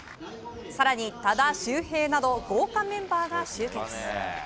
更に多田修平など豪華メンバーが集結。